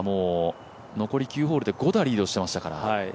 残り９ホールで５打リードしてましたから。